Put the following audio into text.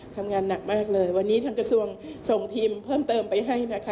ทำงานหนักมากเลยวันนี้ทางกระทรวงส่งทีมเพิ่มเติมไปให้นะคะ